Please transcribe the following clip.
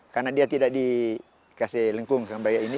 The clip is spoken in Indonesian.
karena dia tidak dikasih lengkung sampai ini